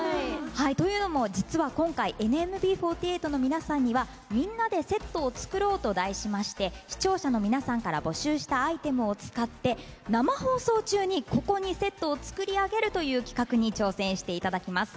というのも実は今回ＮＭＢ４８の皆さんにはみんなでセットを作ろうと題しまして視聴者の皆さんから募集したアイテムを使って生放送中に、ここにセットを作り上げるという企画に挑戦していただきます。